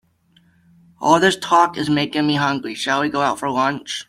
All this talk is making me hungry, shall we go out for lunch?